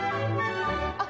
あっ！